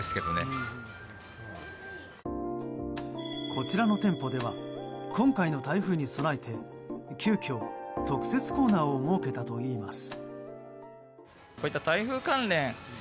こちらの店舗では今回の台風に備えて急きょ、特設コーナーを設けたといいます。